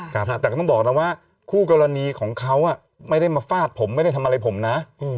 แต่ก็ต้องบอกนะว่าคู่กรณีของเขาไม่ได้มาฟาดผมไม่ได้ทำอะไรผมนะ